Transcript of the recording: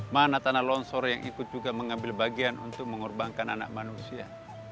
mana tanah longsor yang ikut juga mengambil bagian untuk mengorbankan anak manusia